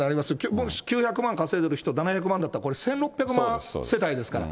僕、９００万稼いでる人、７００万だったら、これ１６００万世帯ですから。